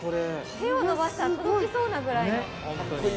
手を伸ばしたら届きそうなぐらいの。